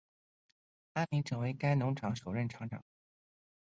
安林成为该农场首任场长。